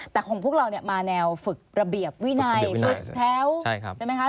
แต่ของพวกเราเนี่ยมาแนวฝึกระเบียบวินัยฝึกแถวใช่ครับใช่ไหมคะ